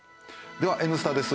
では、「Ｎスタ」です。